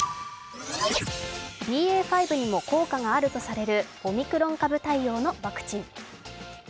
ＢＡ．５にも効果があるとされるオミクロン対応のワクチン。